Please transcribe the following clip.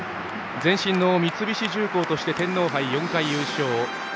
前身の三菱重工として天皇杯４回優勝。